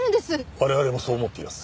我々もそう思っています。